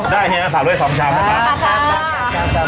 ได้เหรอฝากด้วยสองชามมาครับ